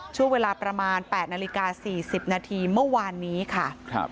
ช่วงเวลาประมาณ๘นาฬิกา๔๐นาทีเมื่อวานนี้ค่ะ